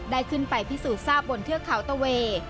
ได้ขึ้นไปพิสูจน์ทราบบนเทือกเขาตะเวย์